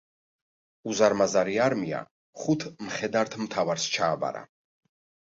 უზარმაზარი არმია ხუთ მხედართმთავარს ჩააბარა.